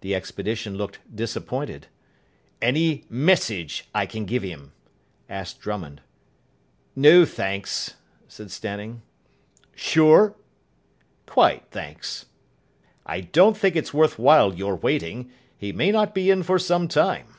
The expedition looked disappointed. "Any message I can give him?" asked Drummond. "No, thanks," said Stanning. "Sure?" "Quite, thanks." "I don't think it's worth while your waiting. He may not be in for some time."